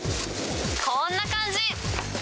こんな感じ。